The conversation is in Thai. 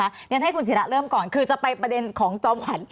งั้นให้คุณศิระเริ่มก่อนคือจะไปประเด็นของจอมขวัญ